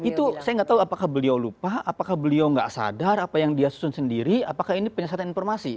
itu saya nggak tahu apakah beliau lupa apakah beliau nggak sadar apa yang dia susun sendiri apakah ini penyesatan informasi